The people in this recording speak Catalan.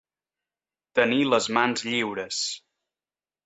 Tenir les mans lliures.